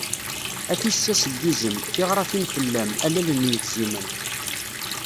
A tissas n yizem, tiɣratin fell-am, a lal n yebzimen.